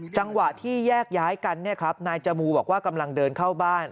จังหวะที่แยกย้ายกันนายจมูบอกว่ากำลังเดินเข้าบ้าน